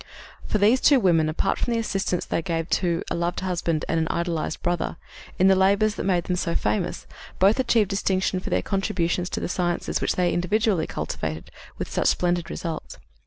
For these two women, apart from the assistance they gave to a loved husband and an idolized brother, in the labors that made them so famous, both achieved distinction for their contributions to the sciences which they individually cultivated with such splendid results.